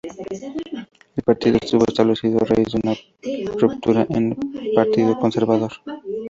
El partido estuvo establecido a raíz de una ruptura en el Partido Conservador.